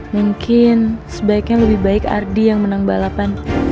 mungkin sebaiknya lebih baik ardi yang menang balapan